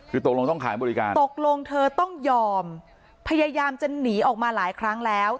คือตกลงต้องขายบริการตกลงเธอต้องยอมพยายามจะหนีออกมาหลายครั้งแล้ว